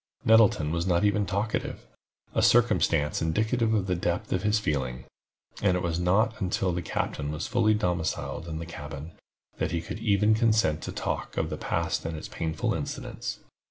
Nettleton was not even talkative—a circumstance indicative of the depth of his feelings—and it was not until the captain was fully domiciled in the cabin, that he could consent to talk of the past and its painful incidents.